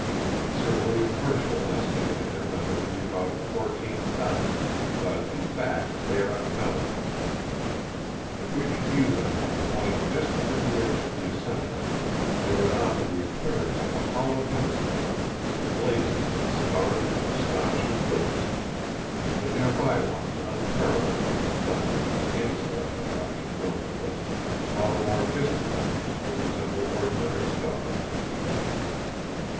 Sir William Herschel estimated their number to be about fourteen thousand, but in fact they are uncountable. If we could view them from a point just within the edge of the assemblage, they would offer the appearance of a hollow hemisphere emblazoned with stars of astonishing brilliancy; the near by ones unparalleled in splendor by any celestial object known to us, while the more distant ones would resemble ordinary stars.